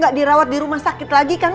nggak dirawat di rumah sakit lagi kan